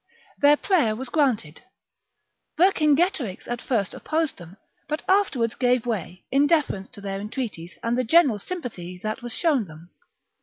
Their prayer was granted. Vercingetorix at first opposed them, but afterwards gave way, in deference to their entreaties and the general sympathy that was VII OF VERCINGETORIX 217 shown them.